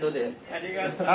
ありがとう。